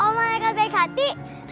omaga baik hati